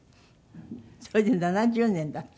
それで７０年だって。